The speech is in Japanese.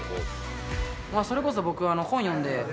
それこそ僕は本読んで。